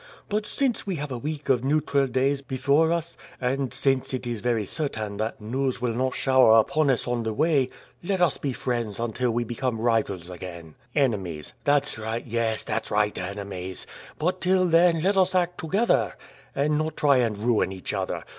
But since we have a week of neutral days before us, and since it is very certain that news will not shower down upon us on the way, let us be friends until we become rivals again." "Enemies." "Yes; that's right, enemies. But till then, let us act together, and not try and ruin each other.